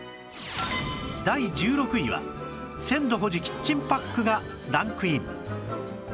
第１６位は鮮度保持キッチンパックがランクイン